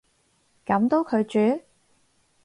噉都拒絕？